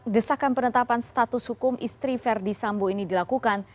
desakan penetapan status hukum istri verdi sambo ini dilakukan